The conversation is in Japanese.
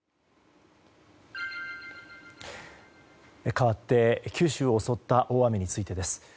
かわって九州を襲った大雨についてです。